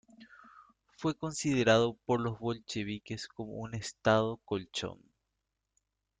Fue considerado por los bolcheviques como un Estado colchón.